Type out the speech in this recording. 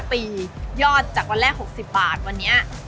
ปียอดจากวันแรก๖๐บาทวันนี้